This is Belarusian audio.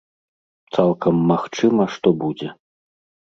Цалкам магчыма, што будзе.